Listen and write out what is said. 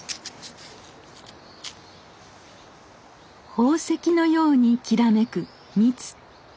宝石のようにきらめく蜜。